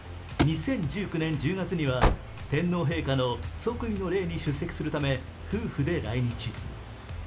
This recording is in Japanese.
２０１９年１０月には天皇陛下の即位の礼に出席するため夫婦で来日。